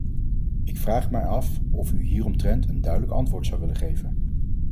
Ik vraag mij af of u hieromtrent een duidelijk antwoord zou willen geven.